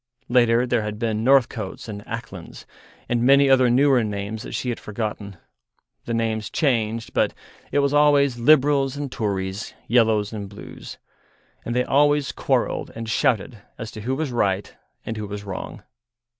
Later there had been Northcotes and Aclands, and many other newer names that she had forgotten; the names changed, but it was always Libruls and Toories, Yellows and Blues. And they always quarrelled and shouted as to who was right and who was wrong.